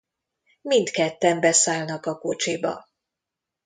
Mindketten beszállnak a kocsiba.